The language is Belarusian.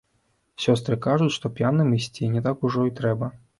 Сёстры кажуць, што п'яным есці не так ужо і трэба.